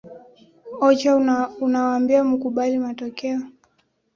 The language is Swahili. ocha unawaambia mukubali matokeo